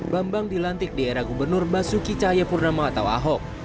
bambang dilantik di era gubernur basuki cahayapurnama atau ahok